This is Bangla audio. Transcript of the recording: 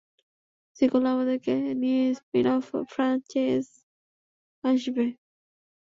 সিক্যুয়েলে আমাদেরকে নিয়ে স্পিন অফ ফ্র্যাঞ্চাইজ আসবে!